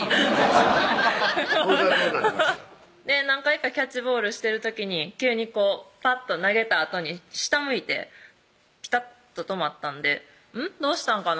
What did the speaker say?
何回かキャッチボールしてる時に急にぱっと投げたあとに下向いてピタッと止まったんでうん？